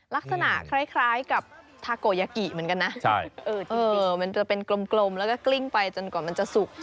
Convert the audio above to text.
ลักษณะคล้ายกับทาโกยากิเหมือนกันนะมันจะเป็นกลมแล้วก็กลิ้งไปจนกว่ามันจะสุก